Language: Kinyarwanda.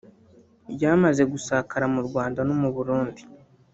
ryamaze gusakara mu Rwanda no mu Burundi